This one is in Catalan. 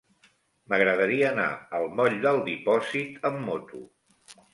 M'agradaria anar al moll del Dipòsit amb moto.